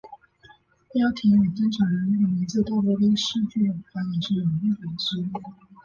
标题与登场人物的名字大多跟戏剧有关也是有意为之。